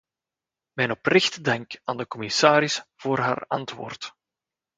Mijn oprechte dank aan de commissaris voor haar antwoord.